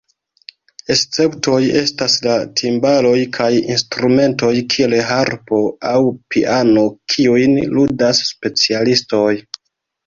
Esceptoj estas la timbaloj kaj instrumentoj kiel harpo aŭ piano, kiujn ludas specialistoj.